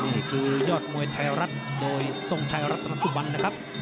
นี่คือยอดมวยไทยรัฐโดยทรงชัยรัฐประสุบันนะครับ